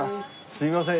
すいません